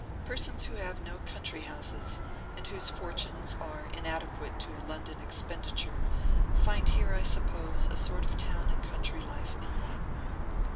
Persons who have no country houses, and whose fortunes are inadequate to a London expenditure, find here, I suppose, a sort of town and country life in one.